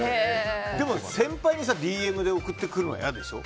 でも先輩にＤＭで送ってくるのは嫌でしょ。